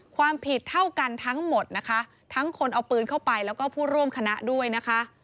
ความผิดเท่ากันทั้งหมดนะคะทั้งคนเอาปืนเข้าไปแล้วก็ผู้ร่วมคณะด้วยนะคะ